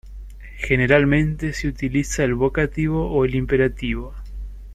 Generalmente se utiliza el vocativo o el imperativo.